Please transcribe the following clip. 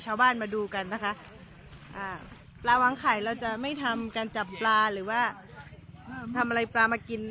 มาดูกันนะคะอ่าปลาวางไข่เราจะไม่ทำการจับปลาหรือว่าทำอะไรปลามากิน